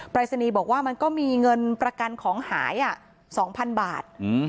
รายศนีย์บอกว่ามันก็มีเงินประกันของหาย๒๐๐๐บาท